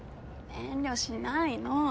遠慮しないの。